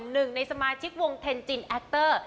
หนึ่งในสมาชิกวงเทนจินแอคเตอร์